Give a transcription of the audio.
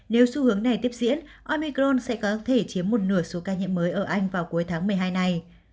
nếu xu hướng này tiếp diễn omicron sẽ có thể chiếm một nửa số ca nhiễm mới ở anh vào cuối tháng một mươi hai này